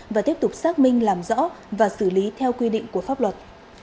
và tiếp tục xác minh làm rõ và xử lý theo quy định của pháp luật